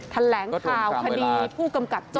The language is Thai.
แถลงข่าวคดีผู้กำกับโจ้